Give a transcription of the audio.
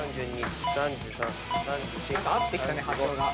合ってきたね波長が。